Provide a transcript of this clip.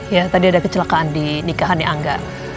ya tadi ada kecelakaan di nikahannya angga